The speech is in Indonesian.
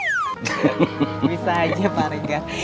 bisa aja pak rega